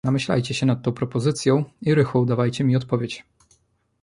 "Namyślajcie się nad tą propozycją i rychłą dawajcie mi odpowiedź."